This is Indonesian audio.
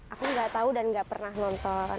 aku nggak tahu dan nggak pernah nonton